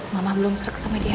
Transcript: mama belum seruk sama dia